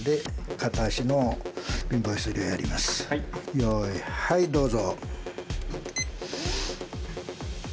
用意はいどうぞ。